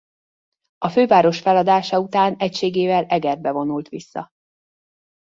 A főváros feladása után egységével Egerbe vonult vissza.